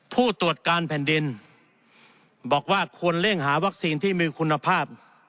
ผู้ตรวจการแผ่นดินบอกว่าควรเร่งหาวัคซีนที่มีคุณภาพ